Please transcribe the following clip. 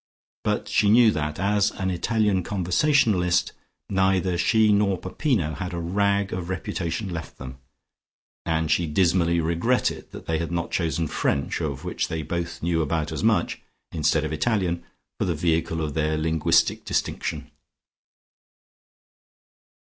But she knew that, as an Italian conversationalist, neither she nor Peppino had a rag of reputation left them, and she dismally regretted that they had not chosen French, of which they both knew about as much, instead of Italian, for the vehicle of their linguistic distinction.